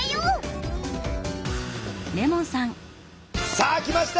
さあ来ました！